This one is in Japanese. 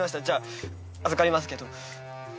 じゃあ預かりますけど。